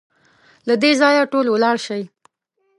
له دې ځايه ټول ولاړ شئ!